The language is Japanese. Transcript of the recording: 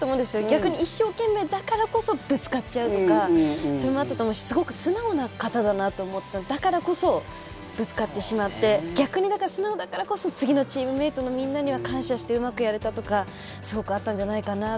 逆に一生懸命だからこそ、ぶつかっちゃうとかあったと思うし、すごく素直な方だなと思ってだからこそぶつかってしまって、逆に素直だからこそ、次のチームメートのみんなには感謝してすごくあったんじゃないかなと。